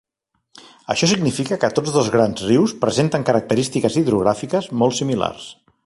Això significa que tots dos grans rius presenten característiques hidrogràfiques molt similars.